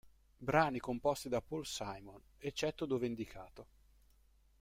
Brani composti da Paul Simon, eccetto dove indicato.